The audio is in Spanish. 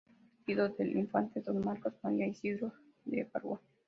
Fue partidario del infante don Carlos María Isidro de Borbón.